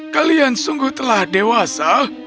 kalian sungguh telah dewasa